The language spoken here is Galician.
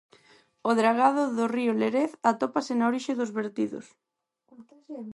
O dragado do río Lérez atópase na orixe dos vertidos.